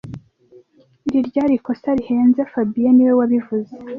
Iri ryari ikosa rihenze fabien niwe wabivuze